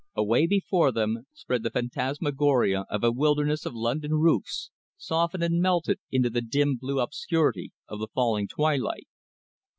Away before them spread the phantasmagoria of a wilderness of London roofs, softened and melting into the dim blue obscurity of the falling twilight.